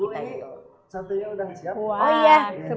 bu ini santunya udah siap